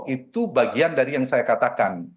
itu bagian dari yang saya katakan